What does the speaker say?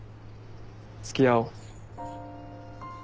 付き合おう。